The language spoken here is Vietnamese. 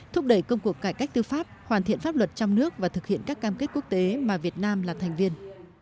thúc đẩy công cuộc cải cách tư pháp hoàn thiện pháp luật trong nước và thực hiện các cam kết quốc tế mà việt nam là thành viên